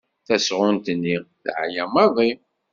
Tasɣunt-nni teɛya maḍi.